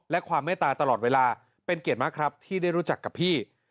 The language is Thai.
และความเมตตาตลอดเวลาเป็นเกียรติมากครับที่ได้รู้จักกับพี่